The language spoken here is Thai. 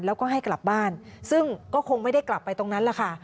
แล้วก็ให้กลับบ้านซึ่งก็คงไม่ได้กลับไปตรงนั้นแหละค่ะ